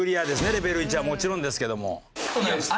レベル１はもちろんですけども。